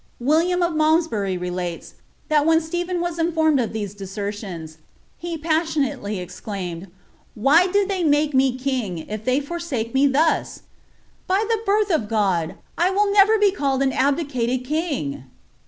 William of Malnubury relates, that when Stephen ma bifTmed of these desertions, he passionately exclaimed, " Why did thiy make me king, if they forsake roe thus ? By the birth of Gkxl,' J ril never be called an abdicated king!"